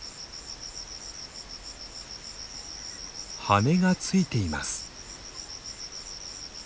羽がついています。